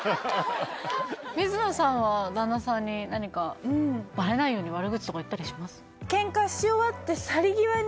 水野さんは旦那さんに何かバレないように悪口とか言ったりします？